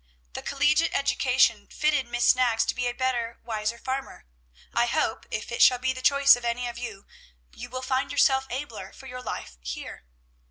The collegiate education fitted Miss Knaggs to be a better, wiser farmer. I hope if it shall be the choice of any of you, you will find yourself abler for your life here."